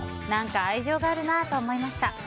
何か愛情があるなと思いました。